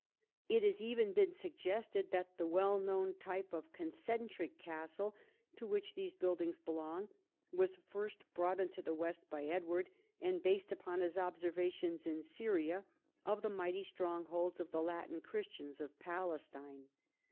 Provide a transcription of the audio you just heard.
It has even been suggested that the well known type of " concentric castle " to which these buildings belong, was first brought into the west by Edward, and based upon his observations in Syria of the mighty strongholds of the Latin Christians of Palestine.